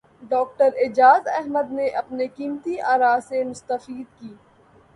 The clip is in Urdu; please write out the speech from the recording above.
ڈاکٹر اعجاز احمد نے اپنے قیمتی اراءسے مستفید کی